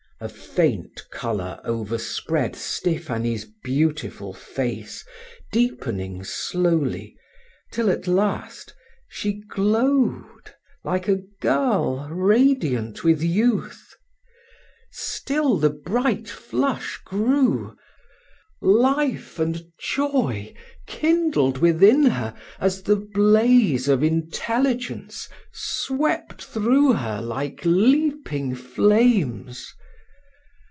A faint color overspread Stephanie's beautiful face, deepening slowly, till at last she glowed like a girl radiant with youth. Still the bright flush grew. Life and joy, kindled within her at the blaze of intelligence, swept through her like leaping flames.